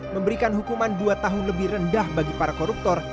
memberikan hukuman dua tahun lebih rendah bagi para koruptor